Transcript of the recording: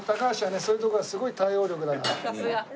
そういうところがすごい対応力だから。